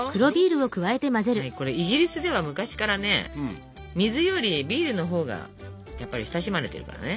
これイギリスでは昔からね水よりビールのほうがやっぱり親しまれてるからね。